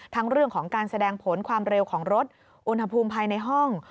เรื่องของการแสดงผลความเร็วของรถอุณหภูมิภายในห้อง